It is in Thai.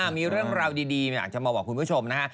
มีเรื่องราวดีอยากจะมาบอกคุณผู้ชมนะฮะ